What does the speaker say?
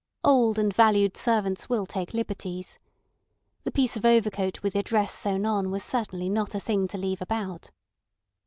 Old and valued servants will take liberties. The piece of overcoat with the address sewn on was certainly not a thing to leave about.